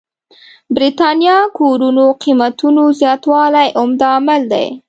برېتانيا کورونو قېمتونو زياتوالی عمده عامل دی.